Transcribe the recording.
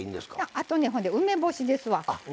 あとね梅干しですわ。